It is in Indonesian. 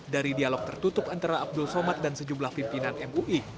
dari dialog tertutup antara abdul somad dan sejumlah pimpinan mui